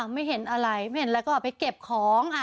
ไม่เห็นอะไรไม่เห็นแล้วก็ไปเก็บของ